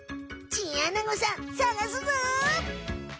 チンアナゴさんさがすぞ！